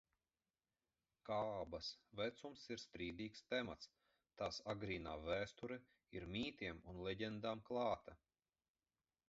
Kaabas vecums ir strīdīgs temats, tās agrīnā vēsture ir mītiem un leģendām klāta.